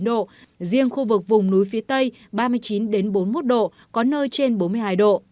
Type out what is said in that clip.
ba mươi chín độ riêng khu vực vùng núi phía tây ba mươi chín đến bốn mươi một độ có nơi trên bốn mươi hai độ